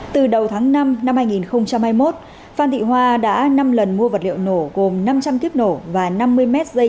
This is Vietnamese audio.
từ đầu tháng năm năm hai nghìn hai mươi một phan thị hoa đã năm lần mua vật liệu nổ gồm năm trăm linh kiếp nổ và năm mươi m dây